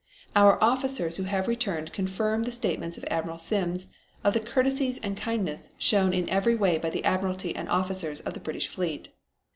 Our officers who have returned confirm the statements of Admiral Sims of the courtesies and kindness shown in every way by the admiralty and the officers of the British fleet.